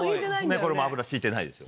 これも油引いてないですよ。